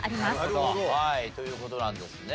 なるほど。という事なんですね。